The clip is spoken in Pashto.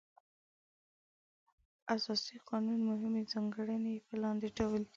د اساسي قانون مهمې ځانګړنې په لاندې ډول دي.